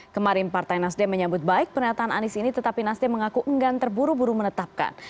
kemarin partai nasdem menyambut baik pernyataan anies ini tetapi nasdem mengaku enggan terburu buru menetapkan